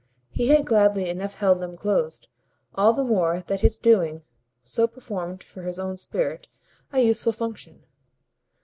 He had gladly enough held them closed; all the more that his doing so performed for his own spirit a useful function.